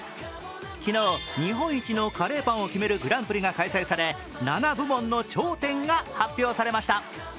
昨日、日本一のカレーパンを決めるグランプリが開催され７部門の頂点が発表されました。